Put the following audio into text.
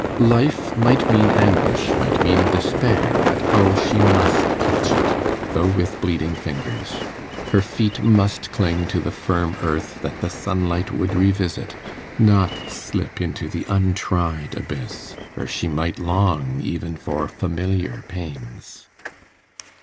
Life might mean anguish, might mean despair; but oh, she must clutch it, though with bleeding fingers; her feet must cling to the firm earth that the sunlight would revisit, not slip into the untried abyss, where she might long even for familiar pains.